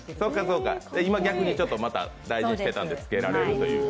今逆にまた大事にしてたのでつけられるという。